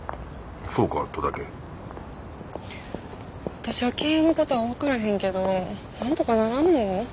私は経営のことは分からへんけどなんとかならんの？